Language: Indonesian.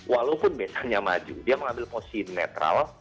walaupun misalnya maju dia mengambil posisi netral